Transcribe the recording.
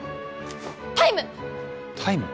タイム！